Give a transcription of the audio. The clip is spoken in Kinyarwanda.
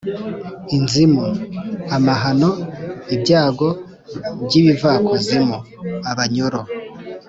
inzimu: amahano, ibyago by’ibivakuzimu (abanyoro)